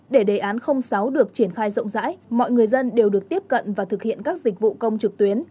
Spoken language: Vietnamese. để đề án sáu được triển khai rộng rãi mọi người dân đều được tiếp cận và thực hiện các dịch vụ công trực tuyến